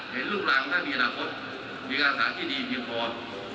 เห็นลูกลายของท่านมีอนาคตมีความสาขาที่ดีมีความภอด